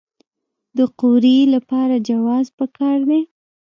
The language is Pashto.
د قوریې لپاره جواز پکار دی؟